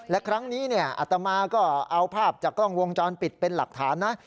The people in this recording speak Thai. และครั้งนี้อัตมาก็เอาภาพจากกล้องวงจรปิดเป็นหลักฐานนะ